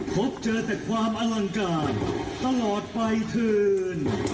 พบเจอแต่ความอลังการตลอดไปเถิน